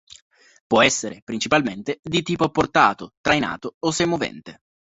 Può essere, principalmente, di tipo portato, trainato o semovente.